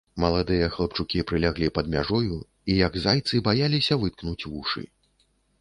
Маладыя хлапчукі прыляглі пад мяжою і, як зайцы, баяліся выткнуць вушы.